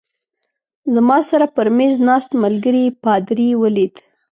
زما سره پر مېز ناست ملګري پادري ولید.